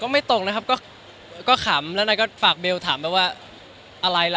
ไม่ตรงนะครับก็ขำแล้วนายก็ฝากเบลถามไปว่าอะไรล่ะ